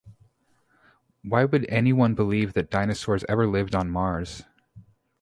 Why would anyone believe that dinosaurs ever lived on Mars?